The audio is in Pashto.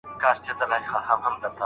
څېړونکی خپلي موندنې له استاد سره شریکوي.